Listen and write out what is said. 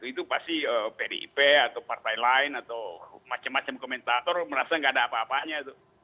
itu pasti pdip atau partai lain atau macam macam komentator merasa nggak ada apa apanya